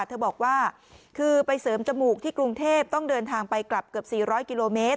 เธอบอกว่าคือไปเสริมจมูกที่กรุงเทพต้องเดินทางไปกลับเกือบ๔๐๐กิโลเมตร